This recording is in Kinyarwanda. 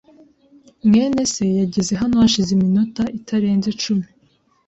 mwene se yageze hano hashize iminota itarenze icumi.